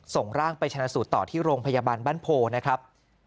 ส่งร่างไปชนะสูตรต่อที่โรงพยาบาลบ้านโพนะครับ